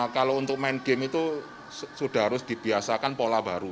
kalau untuk main game itu sudah harus dibiasakan pola baru